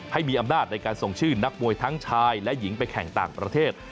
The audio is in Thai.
ให้มีอำนาจในการส่งชื่อนักมวยทั้งชายและหญิงไปแข่งต่างประเทศ